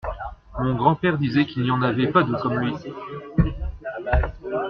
Mon grand-père disait qu’il n’y en avait pas deux comme lui.